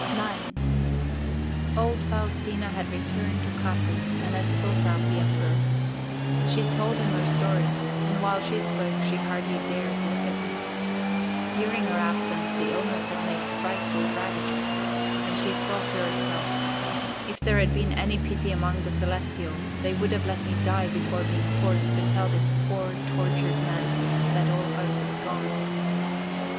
IX Old Faustina had returned to Capri and had sought out the Emperor. She told him her story, and while she spoke she hardly dared look at him. During her absence the illness had made frightful ravages, and she thought to herself: "If there had been any pity among the Celestials, they would have let me die before being forced to tell this poor, tortured man that all hope is gone."